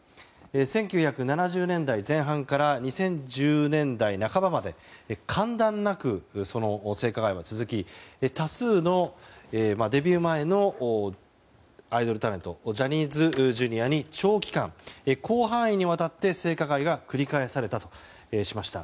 １９７０年代前半から２０１０年代半ばまで間断なくその性加害は続き多数のデビュー前のアイドルタレントジャニーズＪｒ．に長期間広範囲にわたって性加害が繰り返されたとしました。